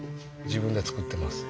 自分で作ってます。